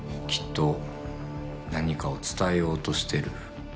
きっと何かを伝えようとしてる。